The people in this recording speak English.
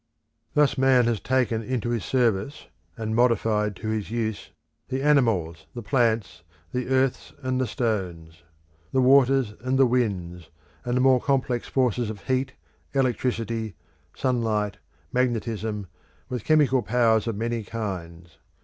Thus Man has taken into his service, and modified to his use, the animals, the plants, the earths and the stones, the waters and the winds, and the more complex forces of heat, electricity, sunlight, magnetism, with chemical powers of many kinds.